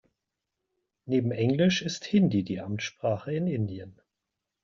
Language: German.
Neben englisch ist Hindi die Amtssprache in Indien.